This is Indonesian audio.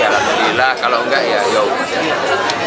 alhamdulillah kalau enggak ya